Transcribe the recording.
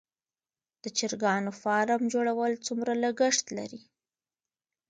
د چرګانو فارم جوړول څومره لګښت لري؟